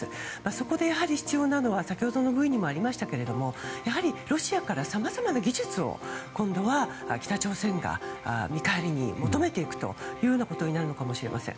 そこで必要なのは先ほどのＶにもありましたけどやはりロシアからさまざまな技術を今度は北朝鮮が見返りに求めていくというふうになるかもしれません。